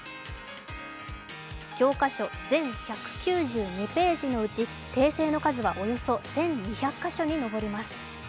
全１９２ページのうち訂正の数はおよそ１２００か所に上ります。